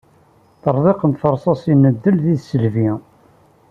Ṭtreḍqent tersasin n ddɣel d tisselbi.